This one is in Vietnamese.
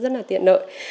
rất là tiện lợi